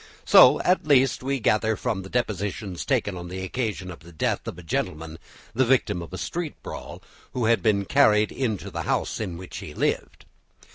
So, at least, we gather from the depositions taken on the occasion of the death of a gentleman, the victim of a street brawl, who had been carried into the house in which he lived.